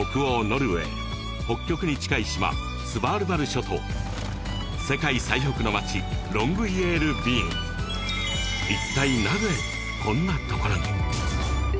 ノルウェー北極に近い島・スヴァールバル諸島世界最北の町・ロングイェールビーン一体なぜこんなところに？